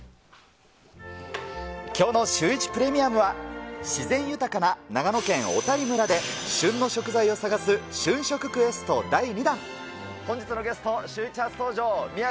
きょうのシューイチプレミアムは、自然豊かな長野県小谷村で、旬の食材を探す、旬食クエスト第２弾。